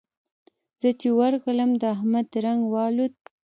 زه چې ورغلم؛ د احمد رنګ والوت.